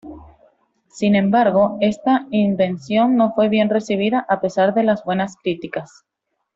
Sin embargo, esta invención no fue bien recibida a pesar de las buenas críticas.